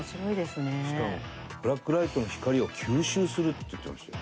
しかもブラックライトの光を吸収するって言ってました。